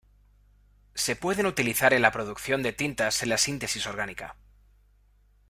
Se pueden utilizar en la producción de tinta s en la síntesis orgánica.